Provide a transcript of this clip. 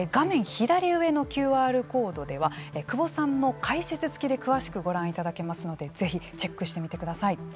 左上のＱＲコードでは久保さんの解説つきで詳しくご覧いただけますのでぜひチェックしてみてください。